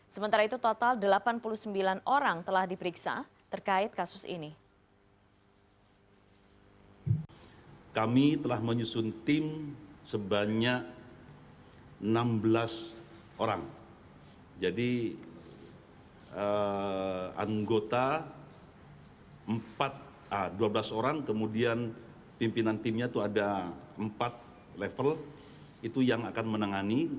sementara itu total delapan puluh sembilan orang telah diperiksa terkait kasus ini